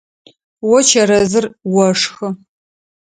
О чэрэзыр ошхы.